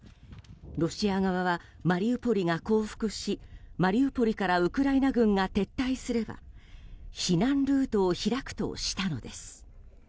ロシア側はマリウポリが降伏しマリウポリからウクライナ軍が撤退すれば避難ルートを開くとしたのです。